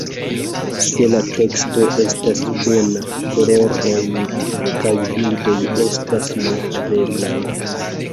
Se la teksto estas bona, koloroj kaj bildoj estas malhaveblaj.